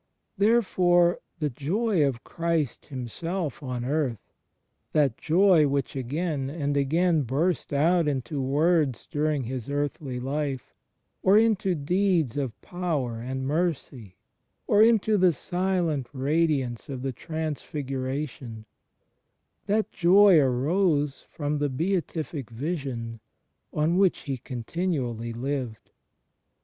Therefore the joy of Christ Himself on earth — that joy which again and again burst out into words during His earthly life, or into deeds of power and mercy, or into the silent radiance of the Transfiguration — that joy arose from the Beatific Vision on which He continually lived.